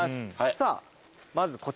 さあまずこちらは。